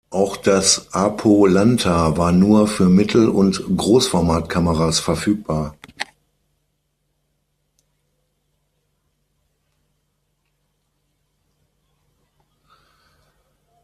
Auch das "Apo-Lanthar" war nur für Mittel- und Großformatkameras verfügbar.